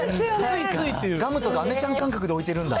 ガムとかあめちゃん感覚で置いてるんだ。